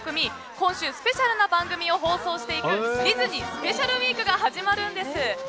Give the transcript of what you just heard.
今週、スペシャルな番組を放送していくディズニースペシャル・ウィークが始まるんです。